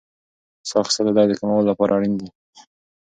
ساه اخیستل د درد د کمولو لپاره اړین دي.